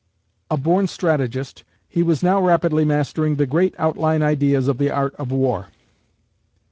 A born strategist, he was now rapidly mastering the great outline ideas of the art of war."